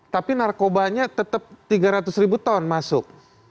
tapi narkobanya tetap tiga ratus ribu ton masuk